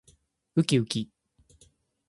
うきうき